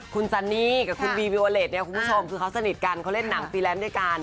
คุณซันนี่กับคุณวีวิโอนเรทเค้าสนิทกันเค้าเล่นหนังตีแล้วเอบด้วยกัน